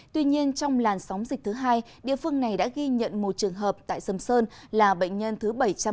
tuy nhiên trong làn sóng dịch thứ hai địa phương này đã ghi nhận một trường hợp tại sâm sơn là bệnh nhân thứ bảy trăm bốn mươi tám